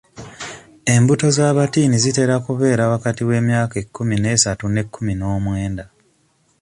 Embuto z'abatiini zitera ku beera wakati w'emyaka ekkumi n'esaatu n'ekkumi n'omwenda.